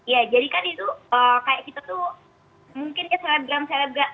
ya jadi kan itu kayak kita tuh mungkin ya selebgram selebgram